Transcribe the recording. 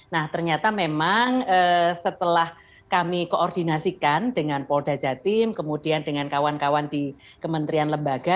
nah ternyata memang setelah kami koordinasikan dengan polda jatim kemudian dengan kawan kawan di kementerian lembaga